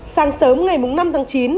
sáng sớm ngày năm tháng chín